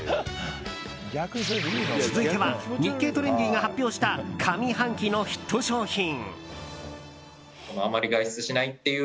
続いては日経トレンディが発表した上半期のヒット商品。